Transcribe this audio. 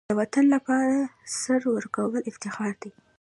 د وطن لپاره سر ورکول افتخار دی.